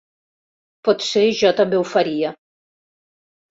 Potser jo també ho faria.